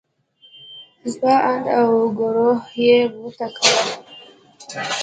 زما اند او ګروهه يې بوته کړه.